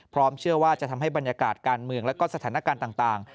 เชื่อว่าจะทำให้บรรยากาศการเมืองและก็สถานการณ์ต่าง